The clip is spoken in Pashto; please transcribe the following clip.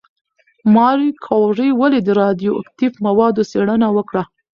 ماري کوري ولې د راډیواکټیف موادو څېړنه وکړه؟